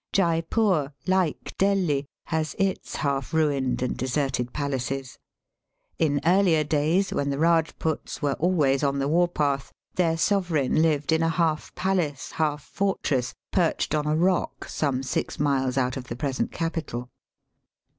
Jeypore, like Delhi, has its half ruined and deserted palaces. In earlier days, when the Eajputs were always on the war path, their sovereign lived in a half palace, half fortress, perched on a rock some six miles out of the present capital.